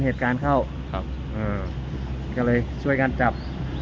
เหตุการณ์เข้าครับเออก็เลยช่วยกันจับ